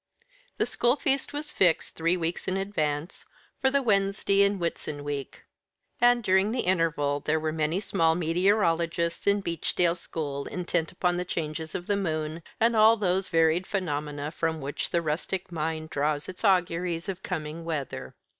The school feast was fixed, three weeks in advance, for the Wednesday in Whitsun week, and during the interval there were many small meteorologists in Beechdale school intent upon the changes of the moon, and all those varied phenomena from which the rustic mind draws its auguries of coming weather.